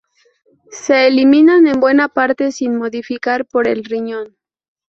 Se eliminan en buena parte sin modificar por el riñón.